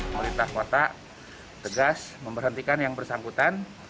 pemerintah kota tegas memberhentikan yang bersangkutan